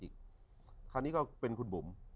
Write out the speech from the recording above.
คราวนี้ก็เป็นคุณบุ๋ม